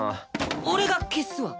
俺が消すわ。